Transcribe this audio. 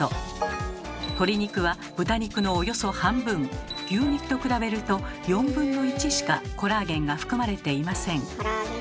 鶏肉は豚肉のおよそ半分牛肉と比べると４分の１しかコラーゲンが含まれていません。